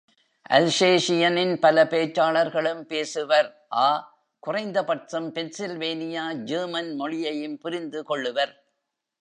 அல்சேஷியனின் பல பேச்சாளர்களும் பேசுவர் (அ) குறைந்தபட்சம் Pennsylvania German மொழியையும் புரிந்து கொள்ளுவர்.